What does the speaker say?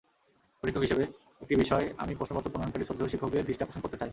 পরীক্ষক হিসেবে একটি বিষয় আমি প্রশ্নপত্র প্রণয়নকারী শ্রদ্ধেয় শিক্ষকদের দৃষ্টি আকর্ষণ করতে চাই।